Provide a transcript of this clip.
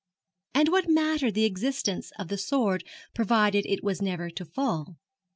And what mattered the existence of the sword provided it was never to fall?